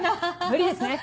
無理ですね